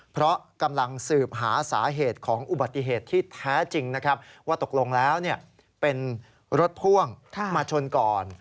เพราะกำลังสืบหาสาเหตุของอุบัติเหตุที่แท้จริงนะครับว่าตกลงแล้วเป็นรถพ่วงมาชนก่อน